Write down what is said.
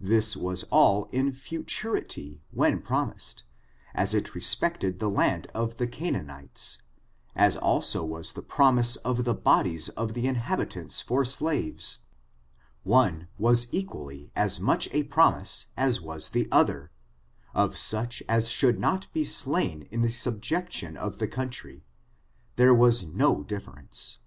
This was all in futurity when promised, as it respected the land of the Canaan ites ; so also was the promise of the bodies of the inhabitants for slaves — one was equally as much a promise as was the other — of such as should not be slain in the subjugation of the country : there was no difference.